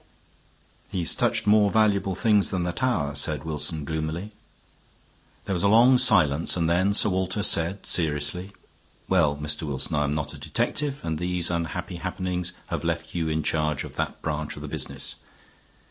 "He has touched more valuable things than the tower," said Wilson, gloomily. There was a long silence, and then Sir Walter said, seriously: "Well, Mr. Wilson, I am not a detective, and these unhappy happenings have left you in charge of that branch of the business.